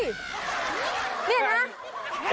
นี่นะ